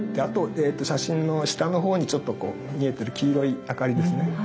あと写真の下の方にちょっと見えてる黄色いあかりですね。